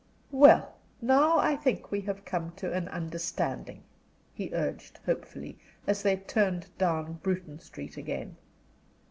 "Well, now I think we have come to an understanding," he urged, hopefully, as they turned down Bruton Street again.